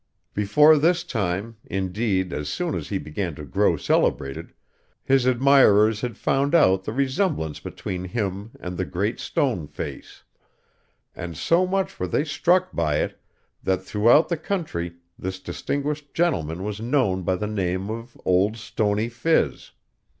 Before this time indeed, as soon as he began to grow celebrated his admirers had found out the resemblance between him and the Great Stone Face; and so much were they struck by it, that throughout the country this distinguished gentleman was known by the name of Old Stony Phiz.